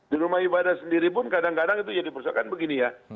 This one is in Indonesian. di rumah ibadah sendiri pun kadang kadang itu jadi persoalan begini ya